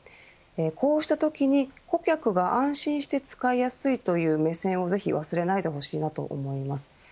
こうしたときに顧客が安心して使いやすいという目線を、ぜひ忘れないでほしいなと思います。